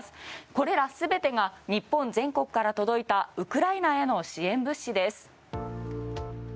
これら全てが日本全国から届いたウクライナへの支援物資です。